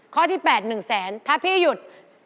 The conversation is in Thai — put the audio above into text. ข้อที่๘๑๐๐๐๐๐ถ้าพี่หยุด